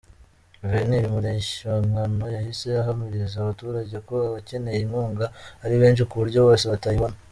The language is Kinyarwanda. Guverineri Mureshyankwano yahise ahamiriza abaturage ko abakeneye inkunga ari benshi kuburyo bose batayibona.